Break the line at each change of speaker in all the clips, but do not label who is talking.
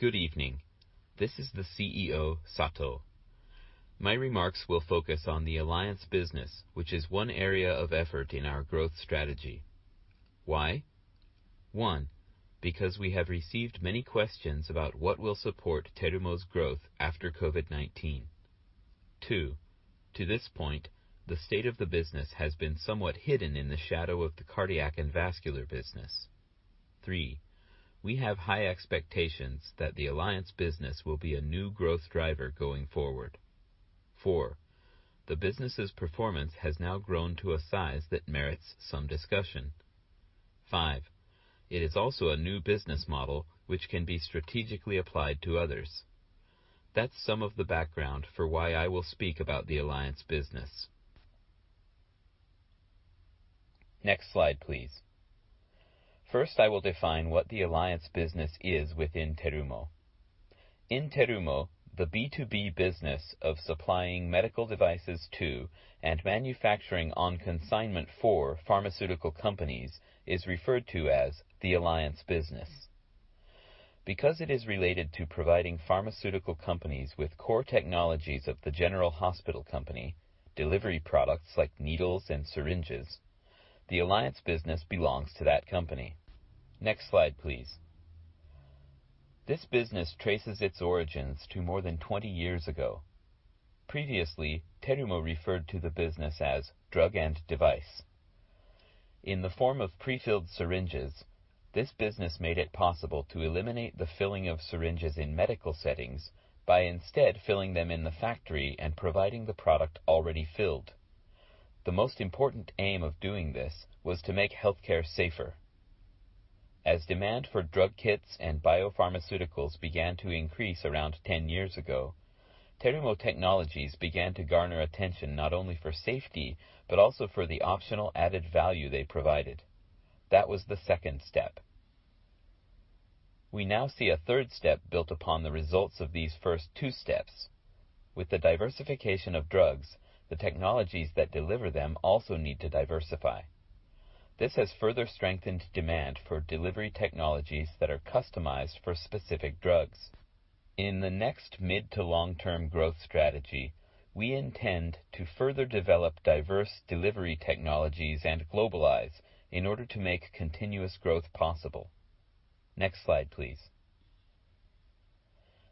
Good evening. This is the CEO, Sato. My remarks will focus on the Alliance business, which is one area of effort in our growth strategy. Why? One, because we have received many questions about what will support Terumo's growth after COVID-19. Two, to this point, the state of the business has been somewhat hidden in the shadow of the Cardiac and Vascular business. Three, we have high expectations that the Alliance business will be a new growth driver going forward. Four, the business's performance has now grown to a size that merits some discussion. Five, it is also a new business model which can be strategically applied to others. That's some of the background for why I will speak about the Alliance business. Next slide, please. First, I will define what the Alliance business is within Terumo. In Terumo, the B2B business of supplying medical devices to and manufacturing on consignment for pharmaceutical companies is referred to as the Alliance business. Because it is related to providing pharmaceutical companies with core technologies of the General Hospital Company, delivery products like needles and syringes, the Alliance business belongs to that company. Next slide, please. This business traces its origins to more than 20 years ago. Previously, Terumo referred to the business as Drug and Device. In the form of prefilled syringes, this business made it possible to eliminate the filling of syringes in medical settings by instead filling them in the factory and providing the product already filled. The most important aim of doing this was to make healthcare safer. As demand for drug kits and biopharmaceuticals began to increase around 10 years ago, Terumo technologies began to garner attention not only for safety, but also for the optional added value they provided. That was the second step. We now see a third step built upon the results of these first two steps. With the diversification of drugs, the technologies that deliver them also need to diversify. This has further strengthened demand for delivery technologies that are customized for specific drugs. In the next mid-to-long-term growth strategy, we intend to further develop diverse delivery technologies and globalize in order to make continuous growth possible. Next slide, please.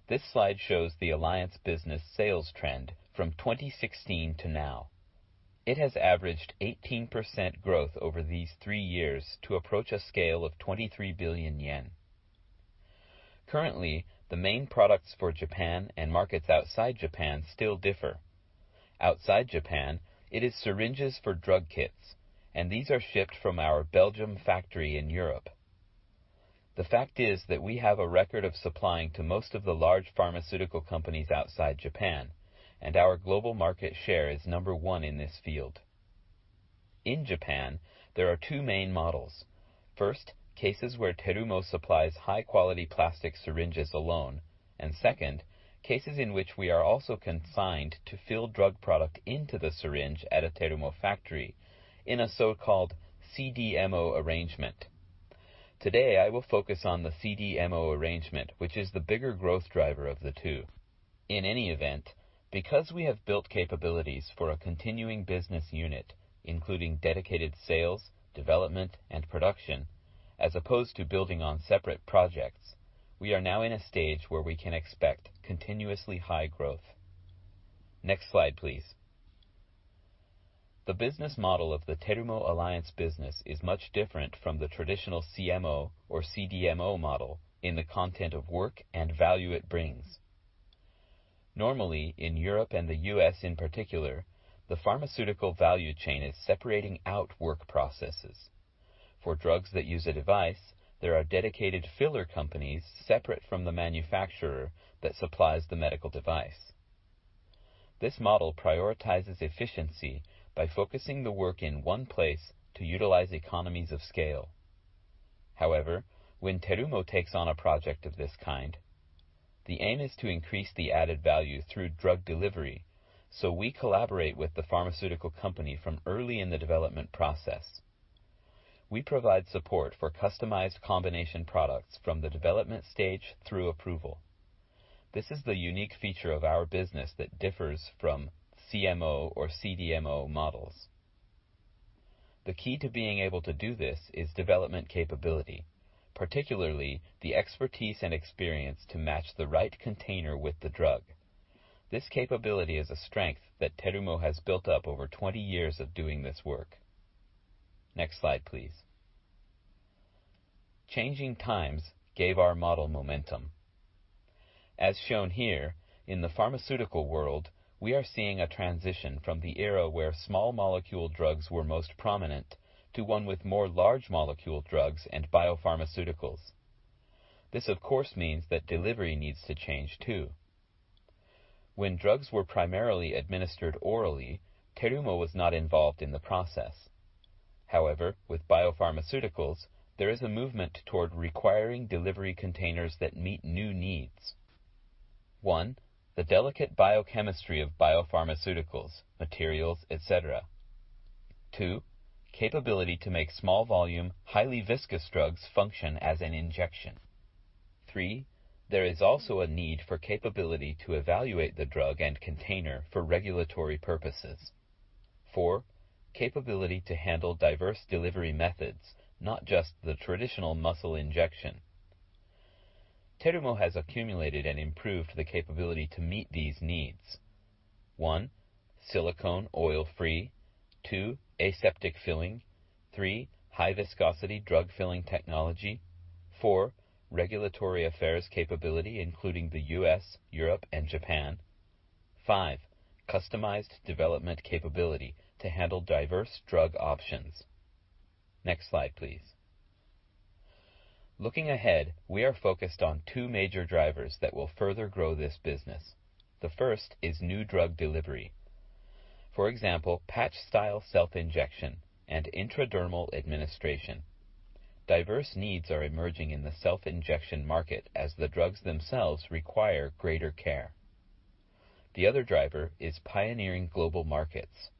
This slide shows the Alliance business sales trend from 2016 to now. It has averaged 18% growth over these three years to approach a scale of 23 billion yen. Currently, the main products for Japan and markets outside Japan still differ. Outside Japan, it is syringes for drug kits, and these are shipped from our Belgium factory in Europe. The fact is that we have a record of supplying to most of the large pharmaceutical companies outside Japan, and our global market share is number one in this field. In Japan, there are two main models. First, cases where Terumo supplies high-quality plastic syringes alone, and second, cases in which we are also consigned to fill drug product into the syringe at a Terumo factory in a so-called CDMO arrangement. Today, I will focus on the CDMO arrangement, which is the bigger growth driver of the two. In any event, because we have built capabilities for a continuing business unit, including dedicated sales, development, and production, as opposed to building on separate projects, we are now in a stage where we can expect continuously high growth. Next slide, please. The business model of the Terumo Alliance business is much different from the traditional CMO or CDMO model in the content of work and value it brings. Normally, in Europe and the U.S. in particular, the pharmaceutical value chain is separating out work processes. For drugs that use a device, there are dedicated filler companies separate from the manufacturer that supplies the medical device. This model prioritizes efficiency by focusing the work in one place to utilize economies of scale. However, when Terumo takes on a project of this kind, the aim is to increase the added value through drug delivery, so we collaborate with the pharmaceutical company from early in the development process. We provide support for customized combination products from the development stage through approval. This is the unique feature of our business that differs from CMO or CDMO models. The key to being able to do this is development capability, particularly the expertise and experience to match the right container with the drug. This capability is a strength that Terumo has built up over 20 years of doing this work. Next slide, please. Changing times gave our model momentum. As shown here, in the pharmaceutical world, we are seeing a transition from the era where small-molecule drugs were most prominent to one with more large-molecule drugs and biopharmaceuticals. This, of course, means that delivery needs to change too. When drugs were primarily administered orally, Terumo was not involved in the process. However, with biopharmaceuticals, there is a movement toward requiring delivery containers that meet new needs. One, the delicate biochemistry of biopharmaceuticals, materials, et cetera. Two, capability to make small volume, highly viscous drugs function as an injection. Three, there is also a need for capability to evaluate the drug and container for regulatory purposes. Four, capability to handle diverse delivery methods, not just the traditional muscle injection. Terumo has accumulated and improved the capability to meet these needs. One, silicone oil-free. Two, aseptic filling. Three, high viscosity drug filling technology. Four, regulatory affairs capability, including the U.S., Europe, and Japan. Five, customized development capability to handle diverse drug options. Next slide, please. Looking ahead, we are focused on two major drivers that will further grow this business. The first is new drug delivery. For example, patch style self-injection and intradermal administration. Diverse needs are emerging in the self-injection market as the drugs themselves require greater care. The other driver is pioneering global markets.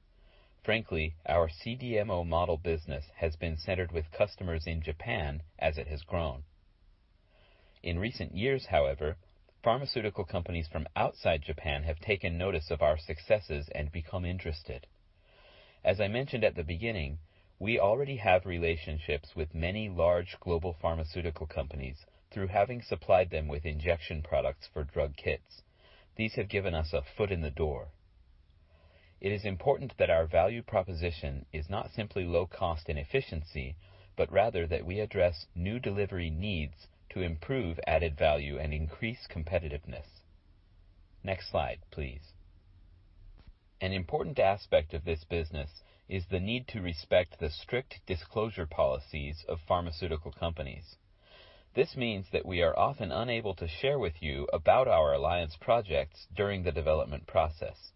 Frankly, our CDMO model business has been centered with customers in Japan as it has grown. In recent years, however, pharmaceutical companies from outside Japan have taken notice of our successes and become interested. As I mentioned at the beginning, we already have relationships with many large global pharmaceutical companies through having supplied them with injection products for drug kits. These have given us a foot in the door. It is important that our value proposition is not simply low cost and efficiency, but rather that we address new delivery needs to improve added value and increase competitiveness. Next slide, please. An important aspect of this business is the need to respect the strict disclosure policies of pharmaceutical companies. This means that we are often unable to share with you about our Alliance projects during the development process.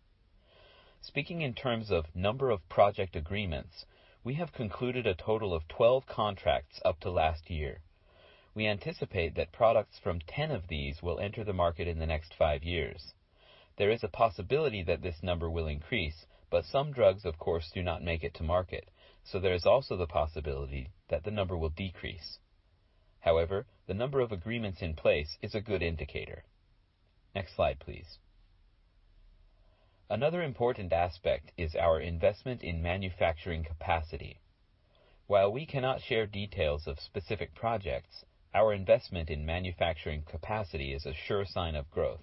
Speaking in terms of number of project agreements, we have concluded a total of 12 contracts up to last year. We anticipate that products from 10 of these will enter the market in the next five years. There is a possibility that this number will increase, but some drugs, of course, do not make it to market, so there is also the possibility that the number will decrease. However, the number of agreements in place is a good indicator. Next slide, please. Another important aspect is our investment in manufacturing capacity. While we cannot share details of specific projects, our investment in manufacturing capacity is a sure sign of growth.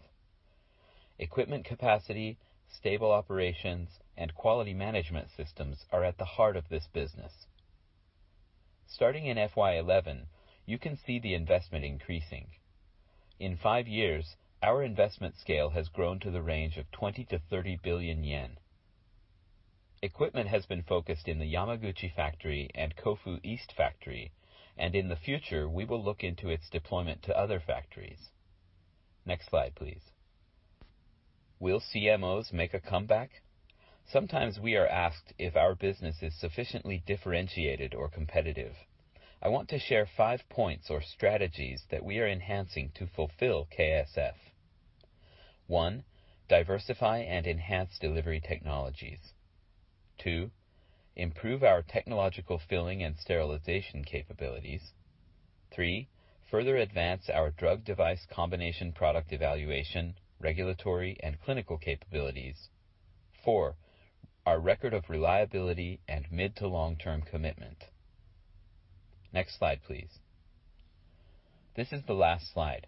Equipment capacity, stable operations, and quality management systems are at the heart of this business. Starting in FY 2011, you can see the investment increasing. In five years, our investment scale has grown to the range of 20 billion-30 billion yen. Equipment has been focused in the Yamaguchi factory and Kofu East factory. In the future, we will look into its deployment to other factories. Next slide, please. Will CMOs make a comeback? Sometimes we are asked if our business is sufficiently differentiated or competitive. I want to share five points or strategies that we are enhancing to fulfill KSF. One, diversify and enhance delivery technologies. Two, improve our technological filling and sterilization capabilities. Three, further advance our drug device combination product evaluation, regulatory and clinical capabilities. Four, our record of reliability and mid to long-term commitment. Next slide, please. This is the last slide.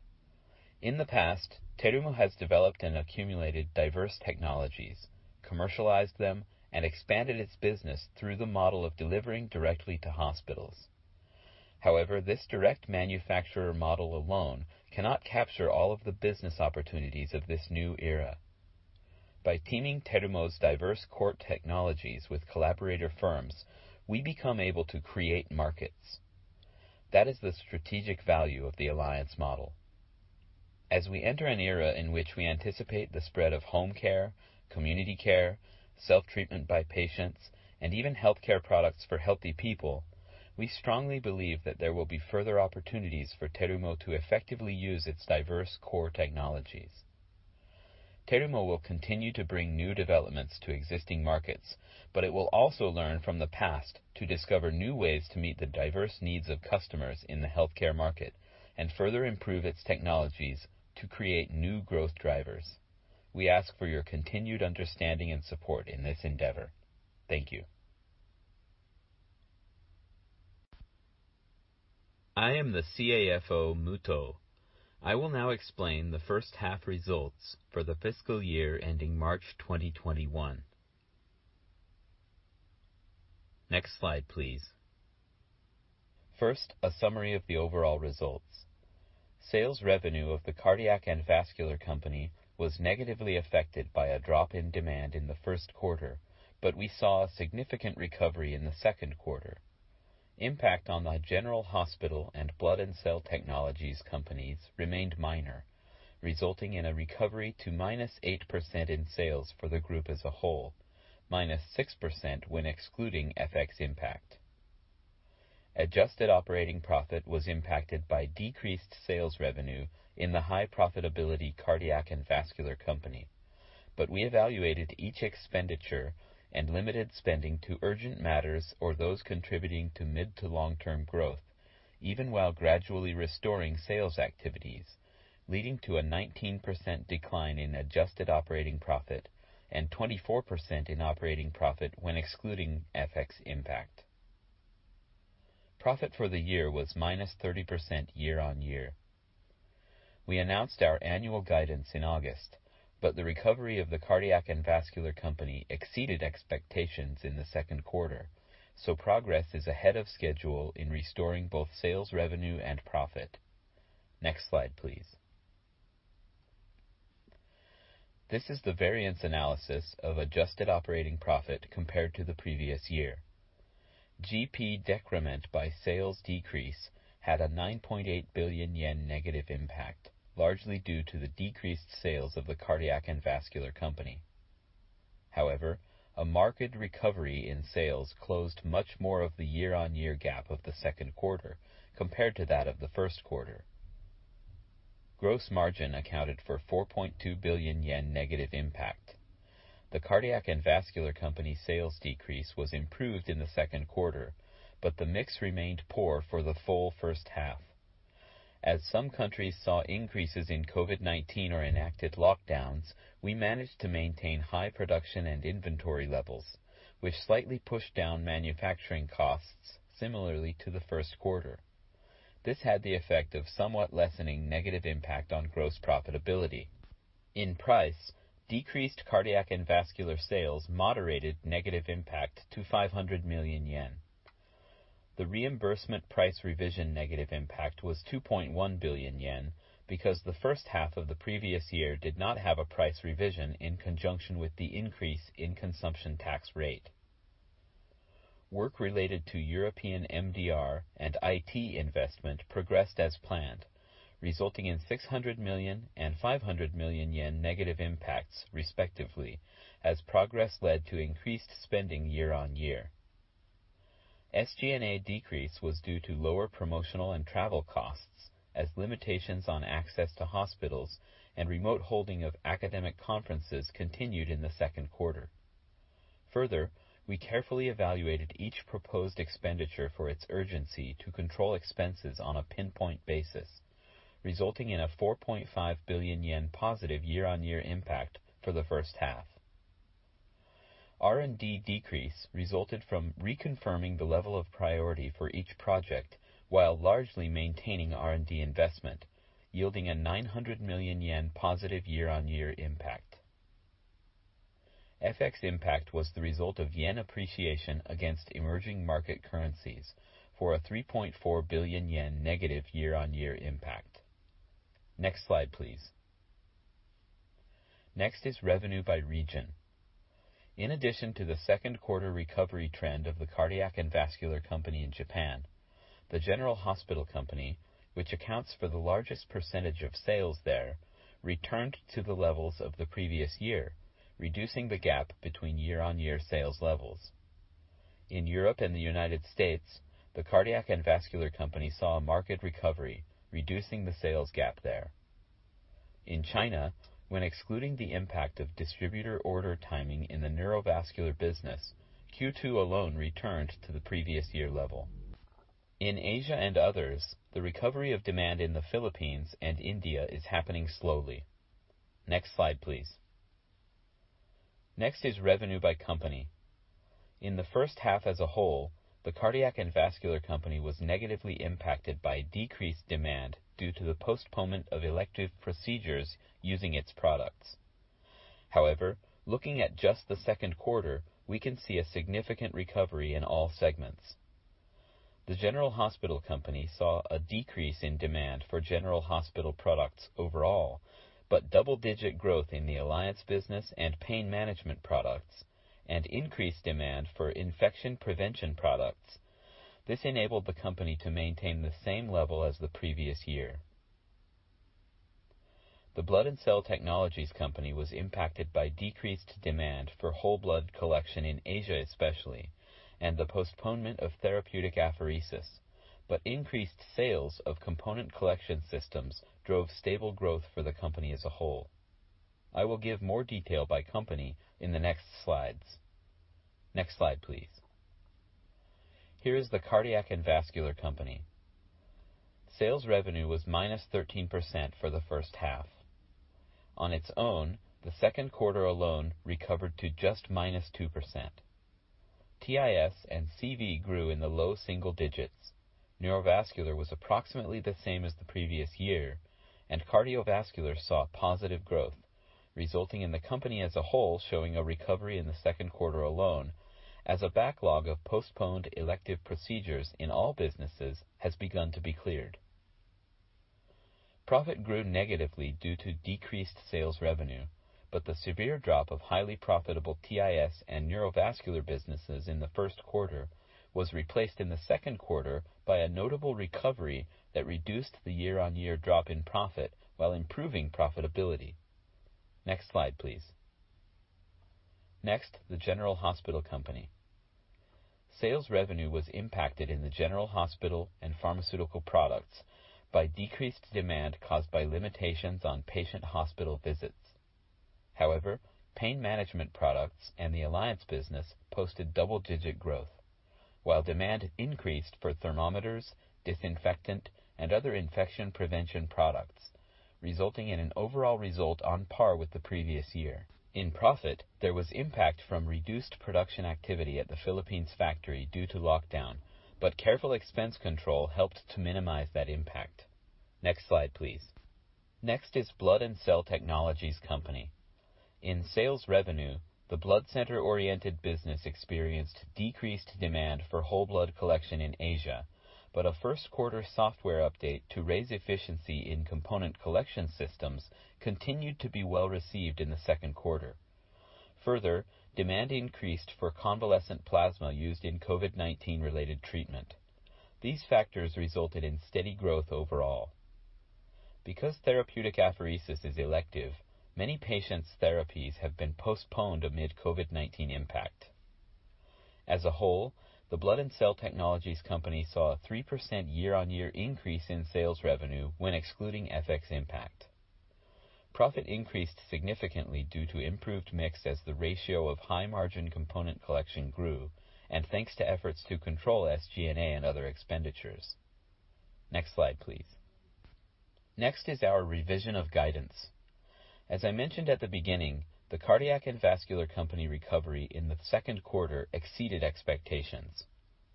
In the past, Terumo has developed and accumulated diverse technologies, commercialized them, and expanded its business through the model of delivering directly to hospitals. This direct manufacturer model alone cannot capture all of the business opportunities of this new era.
By teaming Terumo's diverse core technologies with collaborator firms, we become able to create markets. That is the strategic value of the Alliance model. As we enter an era in which we anticipate the spread of home care, community care, self-treatment by patients, and even healthcare products for healthy people, we strongly believe that there will be further opportunities for Terumo to effectively use its diverse core technologies. Terumo will continue to bring new developments to existing markets. It will also learn from the past to discover new ways to meet the diverse needs of customers in the healthcare market and further improve its technologies to create new growth drivers. We ask for your continued understanding and support in this endeavor. Thank you. I am the CAFO, Muto. I will now explain the first half results for the fiscal year ending March 2021. Next slide, please. First, a summary of the overall results. Sales revenue of the Cardiac and Vascular Company was negatively affected by a drop in demand in the first quarter, but we saw a significant recovery in the second quarter. Impact on the General Hospital Company and Blood and Cell Technologies companies remained minor, resulting in a recovery to -8% in sales for the group as a whole, -6% when excluding FX impact. Adjusted operating profit was impacted by decreased sales revenue in the high profitability Cardiac and Vascular Company. We evaluated each expenditure and limited spending to urgent matters or those contributing to mid to long-term growth, even while gradually restoring sales activities, leading to a 19% decline in adjusted operating profit and 24% in operating profit when excluding FX impact. Profit for the year was -30% year-on-year. We announced our annual guidance in August, the recovery of the Cardiac and Vascular Company exceeded expectations in the second quarter, progress is ahead of schedule in restoring both sales revenue and profit. Next slide, please. This is the variance analysis of adjusted operating profit compared to the previous year. GP decrement by sales decrease had a 9.8 billion yen negative impact, largely due to the decreased sales of the Cardiac and Vascular Company. A market recovery in sales closed much more of the year-on-year gap of the second quarter compared to that of the first quarter. Gross margin accounted for 4.2 billion yen negative impact. The Cardiac and Vascular Company sales decrease was improved in the second quarter, but the mix remained poor for the full first half. As some countries saw increases in COVID-19 or enacted lockdowns, we managed to maintain high production and inventory levels, which slightly pushed down manufacturing costs similarly to the first quarter. This had the effect of somewhat lessening negative impact on gross profitability. In price, decreased Cardiac and Vascular sales moderated negative impact to 500 million yen. The reimbursement price revision negative impact was 2.1 billion yen because the first half of the previous year did not have a price revision in conjunction with the increase in consumption tax rate. Work related to European MDR and IT investment progressed as planned, resulting in 600 million and 500 million yen negative impacts respectively as progress led to increased spending year-over-year. SG&A decrease was due to lower promotional and travel costs as limitations on access to hospitals and remote holding of academic conferences continued in the second quarter. Further, we carefully evaluated each proposed expenditure for its urgency to control expenses on a pinpoint basis, resulting in a 4.5 billion yen positive year-on-year impact for the first half. R&D decrease resulted from reconfirming the level of priority for each project while largely maintaining R&D investment, yielding a 900 million yen positive year-on-year impact. FX impact was the result of yen appreciation against emerging market currencies for a 3.4 billion yen negative year-on-year impact. Next slide, please. Next is revenue by region. In addition to the second quarter recovery trend of the Cardiac and Vascular Company in Japan, the General Hospital Company, which accounts for the largest percentage of sales there, returned to the levels of the previous year, reducing the gap between year-on-year sales levels. In Europe and the U.S., the Cardiac and Vascular Company saw a market recovery, reducing the sales gap there. In China, when excluding the impact of distributor order timing in the Neurovascular business, Q2 alone returned to the previous year level. In Asia and others, the recovery of demand in the Philippines and India is happening slowly. Next slide, please. Next is revenue by company. In the first half as a whole, the Cardiac and Vascular Company was negatively impacted by decreased demand due to the postponement of elective procedures using its products. However, looking at just the second quarter, we can see a significant recovery in all segments. The General Hospital Company saw a decrease in demand for general hospital products overall, but double-digit growth in the Alliance business and pain management products, and increased demand for infection prevention products. This enabled the company to maintain the same level as the previous year. The Blood and Cell Technologies Company was impacted by decreased demand for whole blood collection in Asia especially, and the postponement of therapeutic apheresis. Increased sales of component collection systems drove stable growth for the company as a whole. I will give more detail by company in the next slides. Next slide, please. Here is the Cardiac and Vascular Company. Sales revenue was -13% for the first half. On its own, the second quarter alone recovered to just -2%. TIS and CV grew in the low single digits. Neurovascular was approximately the same as the previous year, and Cardiovascular saw positive growth, resulting in the company as a whole showing a recovery in the second quarter alone as a backlog of postponed elective procedures in all businesses has begun to be cleared. Profit grew negatively due to decreased sales revenue, but the severe drop of highly profitable TIS and Neurovascular businesses in the first quarter was replaced in the second quarter by a notable recovery that reduced the year-on-year drop in profit while improving profitability. Next slide, please. Next, the General Hospital Company. Sales revenue was impacted in the general hospital and pharmaceutical products by decreased demand caused by limitations on patient hospital visits. However, pain management products and the Alliance business posted double-digit growth, while demand increased for thermometers, disinfectant, and other infection prevention products, resulting in an overall result on par with the previous year. In profit, there was impact from reduced production activity at the Philippines factory due to lockdown, but careful expense control helped to minimize that impact. Next slide, please. Next is Blood and Cell Technologies Company. In sales revenue, the blood center-oriented business experienced decreased demand for whole blood collection in Asia, but a first quarter software update to raise efficiency in component collection systems continued to be well-received in the second quarter. Demand increased for convalescent plasma used in COVID-19 related treatment. These factors resulted in steady growth overall. Because therapeutic apheresis is elective, many patients' therapies have been postponed amid COVID-19 impact. As a whole, the Blood and Cell Technologies Company saw a 3% year-on-year increase in sales revenue when excluding FX impact. Profit increased significantly due to improved mix as the ratio of high margin component collection grew, and thanks to efforts to control SG&A and other expenditures. Next slide, please. Next is our revision of guidance. As I mentioned at the beginning, the Cardiac and Vascular Company recovery in the second quarter exceeded expectations.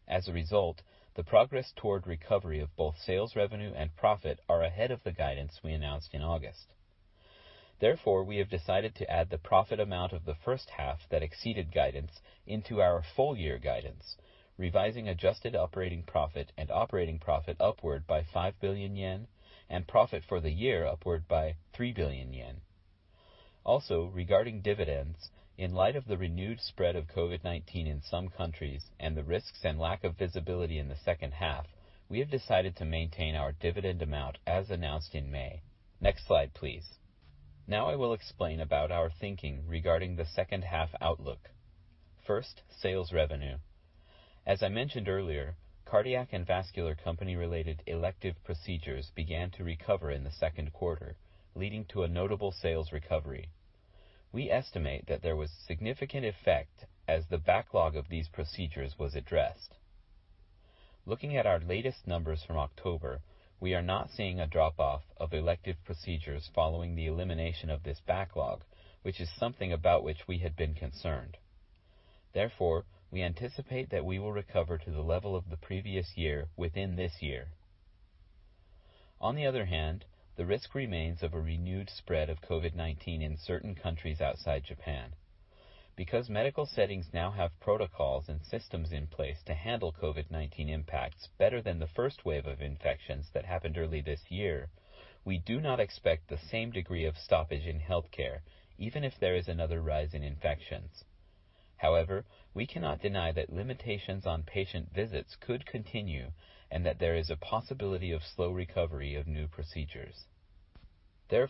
As a result, the progress toward recovery of both sales revenue and profit are ahead of the guidance we announced in August. We have decided to add the profit amount of the first half that exceeded guidance into our full-year guidance, revising adjusted operating profit and operating profit upward by 5 billion yen and profit for the year upward by 3 billion yen. Regarding dividends, in light of the renewed spread of COVID-19 in some countries and the risks and lack of visibility in the second half, we have decided to maintain our dividend amount as announced in May. Next slide, please. I will explain about our thinking regarding the second half outlook. First, sales revenue. As I mentioned earlier, Cardiac and Vascular Company related elective procedures began to recover in the second quarter, leading to a notable sales recovery. We estimate that there was significant effect as the backlog of these procedures was addressed. Looking at our latest numbers from October, we are not seeing a drop-off of elective procedures following the elimination of this backlog, which is something about which we had been concerned. Therefore, we anticipate that we will recover to the level of the previous year within this year. On the other hand, the risk remains of a renewed spread of COVID-19 in certain countries outside Japan. Because medical settings now have protocols and systems in place to handle COVID-19 impacts better than the first wave of infections that happened early this year, we do not expect the same degree of stoppage in healthcare, even if there is another rise in infections. However, we cannot deny that limitations on patient visits could continue and that there is a possibility of slow recovery of new procedures.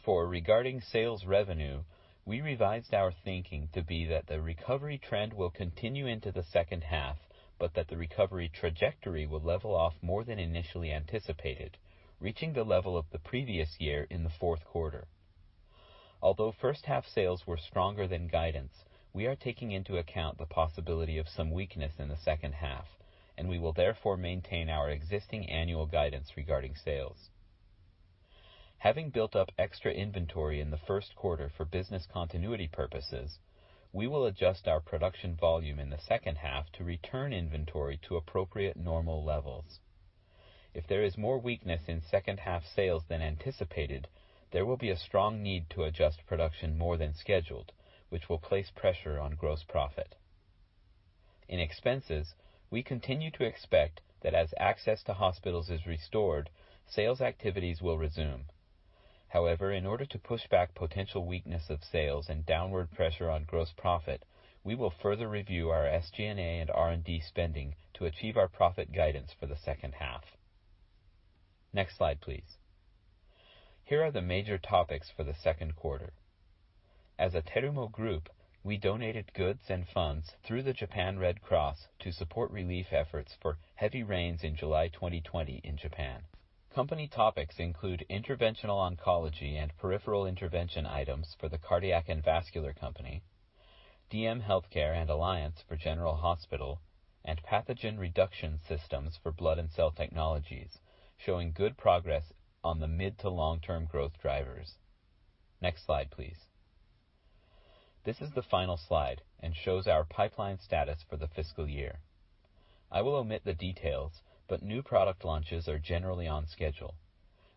Regarding sales revenue, we revised our thinking to be that the recovery trend will continue into the second half, but that the recovery trajectory will level off more than initially anticipated, reaching the level of the previous year in the fourth quarter. First half sales were stronger than guidance, we are taking into account the possibility of some weakness in the second half, we will therefore maintain our existing annual guidance regarding sales. Having built up extra inventory in the first quarter for business continuity purposes, we will adjust our production volume in the second half to return inventory to appropriate normal levels. If there is more weakness in second half sales than anticipated, there will be a strong need to adjust production more than scheduled, which will place pressure on gross profit. In expenses, we continue to expect that as access to hospitals is restored, sales activities will resume. However, in order to push back potential weakness of sales and downward pressure on gross profit, we will further review our SG&A and R&D spending to achieve our profit guidance for the second half. Next slide, please. Here are the major topics for the second quarter. As a Terumo group, we donated goods and funds through the Japanese Red Cross Society to support relief efforts for heavy rains in July 2020 in Japan. Company topics include interventional oncology and peripheral intervention items for the Cardiac and Vascular Company, DM Healthcare and Alliance for General Hospital Company, and pathogen reduction systems for Blood and Cell Technologies Company, showing good progress on the mid to long-term growth drivers. Next slide, please. This is the final slide and shows our pipeline status for the fiscal year. I will omit the details, but new product launches are generally on schedule.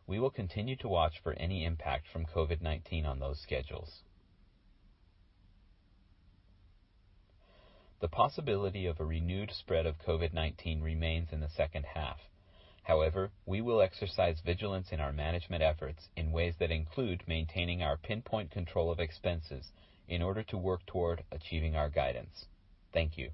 We will continue to watch for any impact from COVID-19 on those schedules. The possibility of a renewed spread of COVID-19 remains in the second half. However, we will exercise vigilance in our management efforts in ways that include maintaining our pinpoint control of expenses in order to work toward achieving our guidance. Thank you.